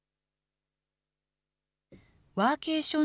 ワーケーション